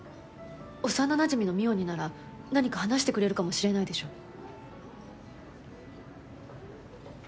幼なじみの望緒になら何か話してくれるかもしれないでしょ。